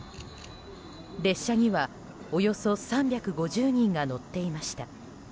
列車には、およそ３５０人が乗っていました。